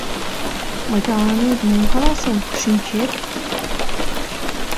Мый тыланет мом каласем, шинчет?